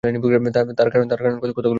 তার কারণ, কথাগুলো সত্যই নয়।